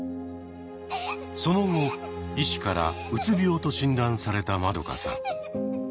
その後医師からうつ病と診断されたマドカさん。